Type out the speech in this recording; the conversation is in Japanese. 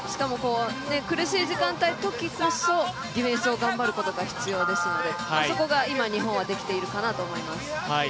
苦しい時間帯ときこそディフェンスを頑張ることが必要ですので、そこが今、日本はできているかなと思います。